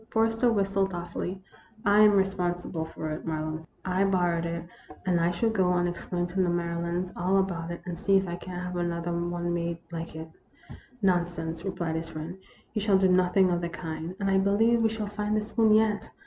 Forrester whistled thoughtfully. " I am responsible for it," Marlowe insisted. " I borrowed it, and I shall go and explain to the Marylands all about it, and see if I can't have another one made like it." " Nonsense !" replied his friend ;" you shall do nothing of the kind, and I believe we shall find the spoon yet.